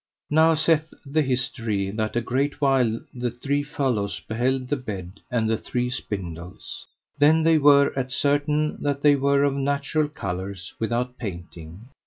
Now saith the history that a great while the three fellows beheld the bed and the three spindles. Then they were at certain that they were of natural colours without painting.